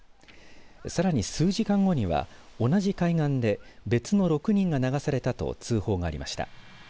さらに数時間後には同じ海岸で別の６人が流されたと通報がありました。